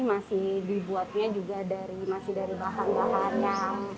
masih dibuatnya juga masih dari bahan bahannya